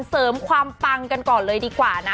เสริมความปังกันก่อนเลยดีกว่านะ